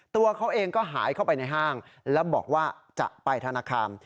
ตัวเขาเองก็หายเข้าไปในห้างแล้วบอกว่าจะไปธนาคาร